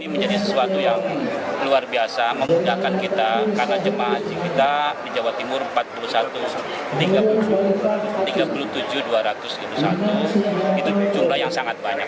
menjadi sesuatu yang luar biasa memudahkan kita karena jemaah haji kita di jawa timur empat puluh satu tiga puluh tujuh dua ratus tujuh puluh satu itu jumlah yang sangat banyak